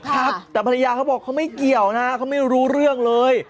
ครับแต่ภรรยาเขาบอกเขาไม่เกี่ยวนะเขาไม่รู้เรื่องเลย